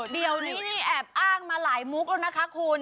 เดี๋ยวนี้นี่แอบอ้างมาหลายมุกแล้วนะคะคุณ